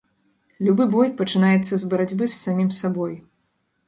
Любы бой пачынаецца з барацьбы з самім сабой.